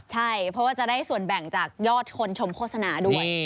ใช่เพราะว่าจะได้ส่วนแบ่งจากยอดคนชมโฆษณาด้วย